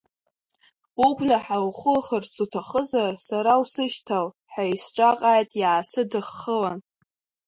Угәнаҳа ухухырц уҭахызар, сара усышьҭал, ҳәа исҿаҟааит, иаасыдыххылан.